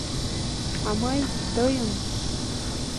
А мый — тыйын!